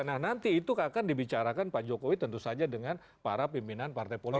nah nanti itu akan dibicarakan pak jokowi tentu saja dengan para pimpinan partai politik